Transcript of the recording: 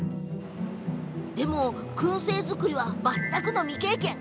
でも、くん製作りは全くの未経験。